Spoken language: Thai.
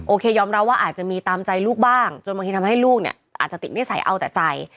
ยอมรับว่าอาจจะมีตามใจลูกบ้างจนบางทีทำให้ลูกเนี่ยอาจจะติดนิสัยเอาแต่ใจ